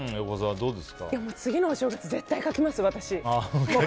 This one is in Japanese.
次のお正月、絶対書きます！